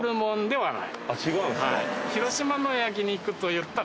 はい。